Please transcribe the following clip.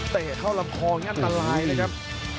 เตะเข้าลำคองั้นตลายเลยครับ